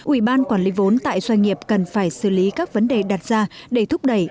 ủy ban quản lý vốn tại doanh nghiệp cần phải xử lý các vấn đề đặt ra để thúc đẩy